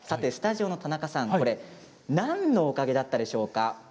スタジオの田中さん何のおかげだったんでしょうか。